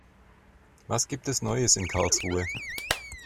Was gibt es Neues in Karlsruhe?